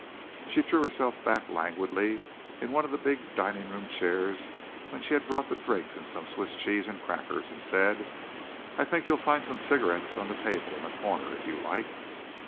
She threw herself back languidly in one of the big dining room chairs when she had brought the drinks and some Swiss cheese and crackers, and said: "I think you'll find some cigarettes on the table in the corner if you like."